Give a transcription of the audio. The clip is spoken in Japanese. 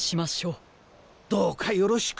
どうかよろしく。